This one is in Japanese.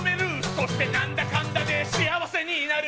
そして何だかんだで幸せになる